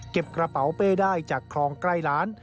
กระเป๋าเป้ได้จากคลองใกล้ร้าน